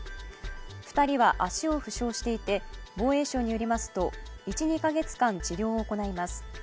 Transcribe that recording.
２人は足を負傷していて、防衛省によりますと、１２か月間治療を行います。